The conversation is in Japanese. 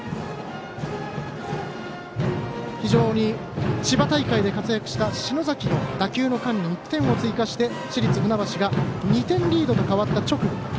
非常に千葉大会で活躍した篠崎の打球の間に１点を追加して市立船橋が２点リードと変わった直後。